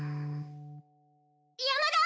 山田！